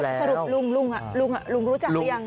สรุปลุงลุงรู้จักหรือยัง